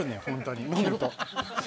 本当に。